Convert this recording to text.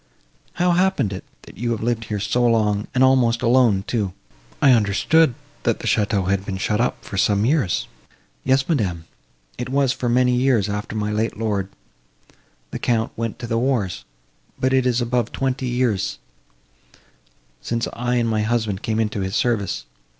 "How happened it, that you have lived here so long, and almost alone, too? I understood, that the château had been shut up for some years?" "Yes, madam, it was for many years after my late lord, the Count, went to the wars; but it is above twenty years, since I and my husband came into his service.